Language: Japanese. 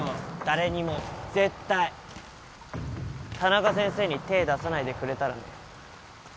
誰にも絶対田中先生に手出さないでくれたらね